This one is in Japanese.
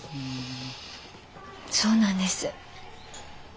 そうなんです。